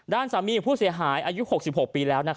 ด้านสามีของผู้เสียหายอายุ๖๖ปีแล้ว